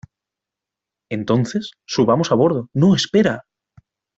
Entonces, subamos a bordo. ¡ no , espera!